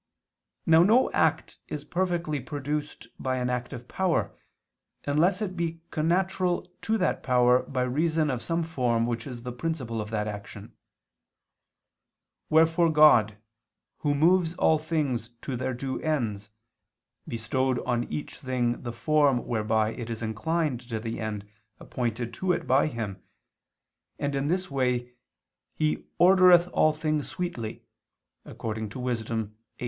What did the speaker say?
Now no act is perfectly produced by an active power, unless it be connatural to that power by reason of some form which is the principle of that action. Wherefore God, Who moves all things to their due ends, bestowed on each thing the form whereby it is inclined to the end appointed to it by Him; and in this way He "ordereth all things sweetly" (Wis. 8:1).